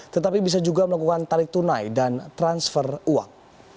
tetapi bisa juga melakukan tarik tunai dan transfer uang